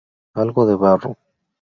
Algo de barro.